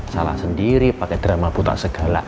salah sendiri pake drama buta segala